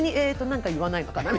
何か言わないのかな？